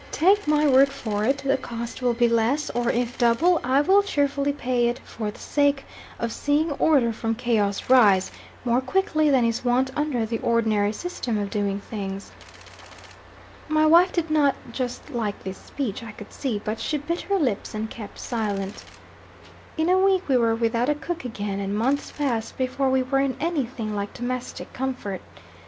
Take my word for it, the cost will be less; or, if double, I will cheerfully pay it for the sake of seeing 'order from chaos rise' more quickly than is wont under the ordinary system of doing things." My wife did not just like this speech, I could see, but she bit her lips and kept silent. In a week we were without a cook again; and months passed before we were in any thing like domestic comfort.